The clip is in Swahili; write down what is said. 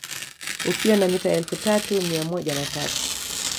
Ukiwa na mita elfu tatu mia moja na tatu